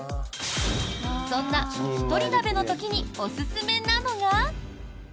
そんなひとり鍋の時におすすめなのが。